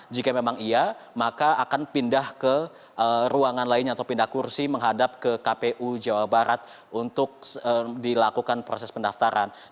jika memang iya maka akan pindah ke ruangan lainnya atau pindah kursi menghadap ke kpu jawa barat untuk dilakukan proses pendaftaran